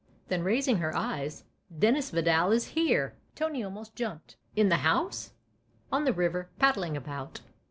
Then raising her eyes :" Dennis Vidal is here." Tony almost jumped. " In the house ?"" On the river paddling about."